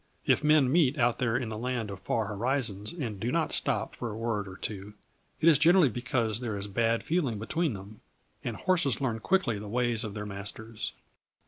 If men meet out there in the land of far horizons and do not stop for a word or two, it is generally because there is bad feeling between them; and horses learn quickly the ways of their masters.